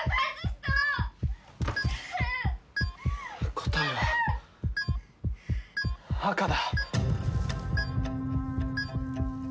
答えは赤だ！